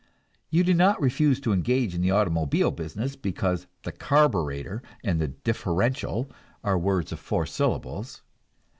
You do not refuse to engage in the automobile business because the carburetor and the differential are words of four syllables.